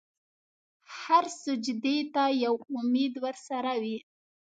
هر سجدې ته یو امید ورسره وي.